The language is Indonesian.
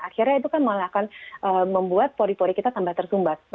akhirnya itu kan malah akan membuat pori pori kita tambah tersumbat